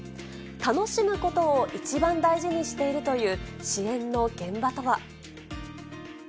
楽しむことを一番大事にしているという支援の現場とは。